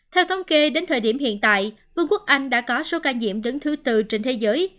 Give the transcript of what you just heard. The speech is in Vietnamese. theo thống kê đến thời điểm hiện tại vương quốc anh đã có số ca nhiễm đứng thứ tư trên thế giới